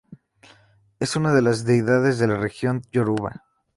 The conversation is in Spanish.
Es una de las Deidades de la Religión yoruba.